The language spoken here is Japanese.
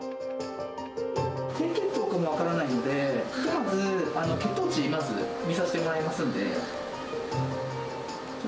低血糖かも分からないので、ひとまず、血糖値をまず、診させてもらいますんで。